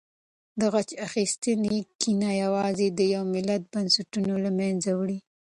د غچ اخیستنې کینه یوازې د یو ملت بنسټونه له منځه وړي.